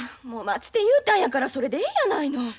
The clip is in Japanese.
もう待つて言うたんやからそれでえやないの。